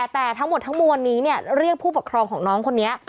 แต่ทั้งหมดทั้งมวลนี้เรียกผู้ปกครองของน้องคนนี้